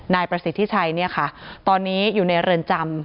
นายประสิทธิชัยเนี่ยค่ะตอนนี้อยู่ในเรือนจำ